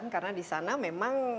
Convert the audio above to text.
karena di sana memang